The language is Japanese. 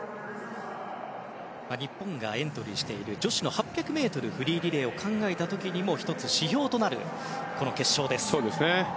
日本がエントリーしている女子８００ｍフリーリレーを考えた時にも１つ、指標となるこの決勝です。